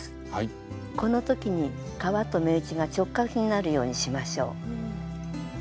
このときに革と目打ちが直角になるようにしましょう。